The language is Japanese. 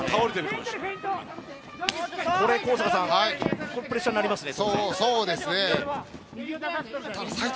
これはプレッシャーになりますね。